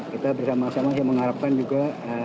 kita bersama sama saya mengharapkan juga